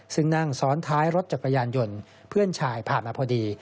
ซึ่งนั่งซ้อนท้ายรถจักรยานยนต์เพื่อนชายผ่านมาพอดี